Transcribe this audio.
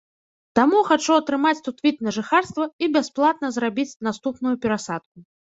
Таму хачу атрымаць тут від на жыхарства і бясплатна зрабіць наступную перасадку.